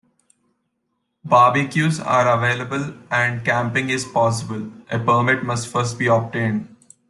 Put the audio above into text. Barbecues are available and camping is possible - a permit must first be obtained.